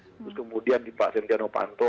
terus kemudian di pak setia novanto